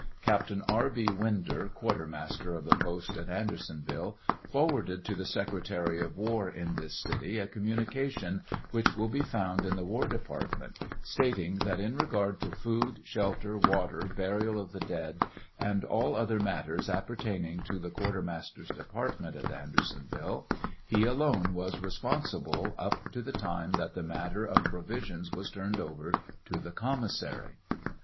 Captain R. B. Winder, quartermaster of the post at Andersonville, forwarded to the Secretary of War in this city a communication, which will be found in the War Department, stating that in regard to food, shelter, water, burial of the dead, and all other matters appertaining to the quartermasters' department 718 TRIAL OF HENRY WIRZ. at Andersonville, he alone was responsible up to the time that the matter of pro visions was turned over to the commissary.